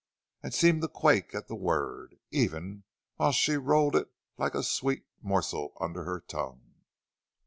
and seemed to quake at the word, even while she rolled it like a sweet morsel under her tongue.